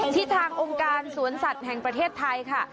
ที่ทางองค์การสวนสัตว์แห่งประเทศไทยค่ะ